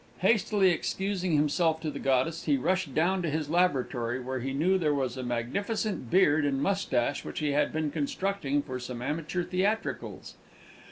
Hastily excusing himself to the goddess, he rushed down to his laboratory, where he knew there was a magnificent beard and moustache which he had been constructing for some amateur theatricals.